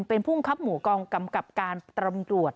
เป็นภูมิครับหมู่กองกำกับการตำรวจ